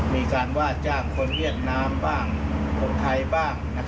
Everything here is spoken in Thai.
มีการว่าจ้างคนเวียดนามบ้างคนไทยบ้าง